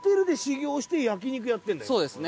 そうですね。